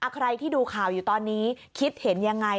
ใครที่ดูข่าวอยู่ตอนนี้คิดเห็นยังไง